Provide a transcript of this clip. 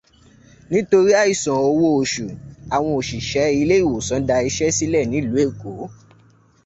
Nítorí àìsan owó oṣù, àwọn òṣìṣẹ́ ilé ìwòsàn da iṣẹ́ sílẹ̀ nílùú Èkó.